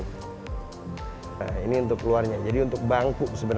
nah ini untuk luarnya jadi untuk bangku sebenarnya ini untuk luarnya jadi untuk bangku sebenarnya